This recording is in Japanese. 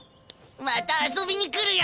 また遊びに来るよ。